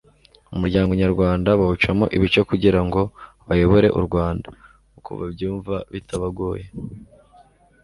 umuryango nyarwanda bawucamo ibice kugira ngo bayobore u rwanda uko babyumva bitabagoye